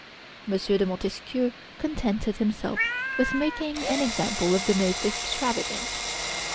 M. de Montesquieu contented himself with making an example of the most extravagant.